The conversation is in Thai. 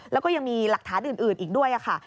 แล้วก็ยังมีหลักฐานอื่นอีกด้วยค่ะ